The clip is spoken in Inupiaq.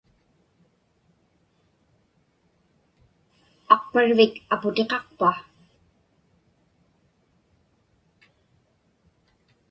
Aqparvik aputiqaqpa?